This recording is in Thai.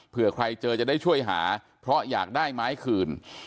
เพื่อใครเจอจะได้ช่วยหาเพราะอยากได้ไม้คืน